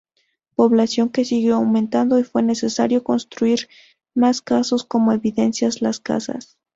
Población que siguió aumentando y fue necesario construir más casas como evidencia las casas.